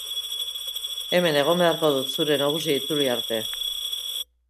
Hemen egon beharko dut zure nagusia itzuli arte...